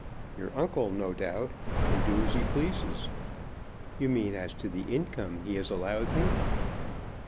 "' "Your uncle, no doubt, can do as he pleases." "You mean as to the income he has allowed me?"